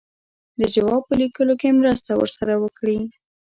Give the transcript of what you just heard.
د جواب په لیکلو کې مرسته ورسره وکړي.